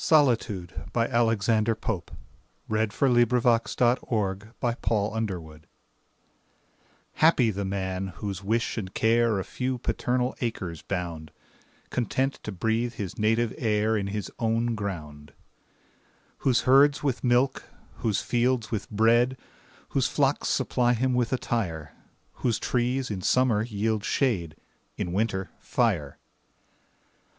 C D . E F . G H . I J . K L . M N . O P . Q R . S T . U V . W X . Y Z Solitude HAPPY the man, whose wish and care A few paternal acres bound, Content to breathe his native air In his own ground. Whose herds with milk, whose fields with bread, Whose flocks supply him with attire; Whose trees in summer yield shade, In winter, fire.